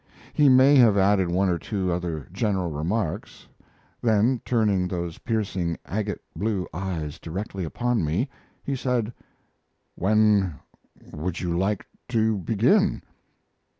He may have added one or two other general remarks; then, turning those piercing agate blue eyes directly upon me, he said: "When would you like to begin?"